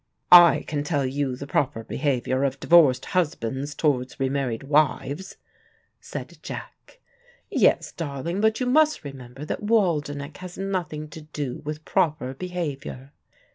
"I can tell you the proper behavior of divorced husbands towards re married wives," said Jack. "Yes, darling, but you must remember that Waldenech has nothing to do with proper behavior.